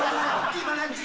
今何時